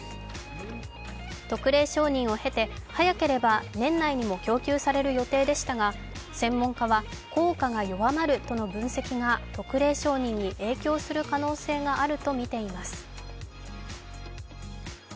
特例承認を経て早ければ年内にも供給される予定でしたが専門家は効果が弱まるとの分析が特例承認に影響する可能性があるとみています。